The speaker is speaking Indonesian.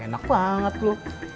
eh enak banget lu